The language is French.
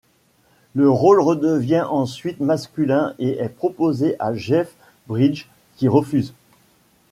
Le rôle redevient ensuite masculin et est proposé à Jeff Bridges, qui refuse.